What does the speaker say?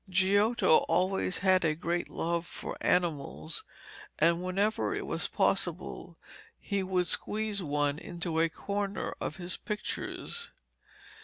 Giotto always had a great love for animals, and whenever it was possible he would squeeze one into a corner of his pictures.